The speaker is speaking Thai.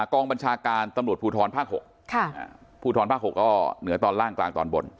กองบัญชาการตำรวจภูทรภาค๖ภูทรภาค๖ก็เหนือตอนล่างกลางตอนบน